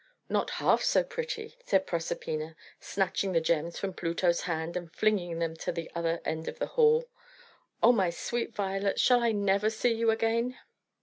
"Not half so pretty," said Proserpina, snatching the gems from Pluto's hand, and flinging them to the other end of the hall. "Oh, my sweet violets, shall I never see you again?"